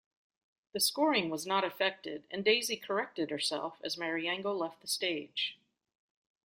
The scoring was not affected and Daisy corrected herself as Mariangel left the stage.